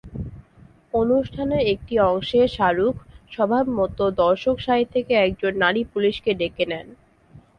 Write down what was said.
অনুষ্ঠানের একটি অংশে শাহরুখ স্বভাবমতো দর্শকসারি থেকে একজন নারী পুলিশকে ডেকে নেন।